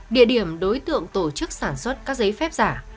địa điểm đối tượng tổ chức sản xuất các giấy phép giả